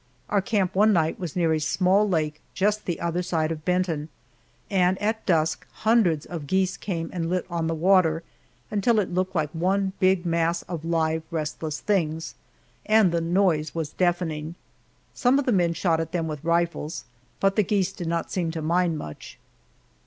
Our camp one night was near a small lake just the other side of Benton, and at dusk hundreds of geese came and lit on the water, until it looked like one big mass of live, restless things, and the noise was deafening. Some of the men shot at them with rifles, but the geese did not seem to mind much.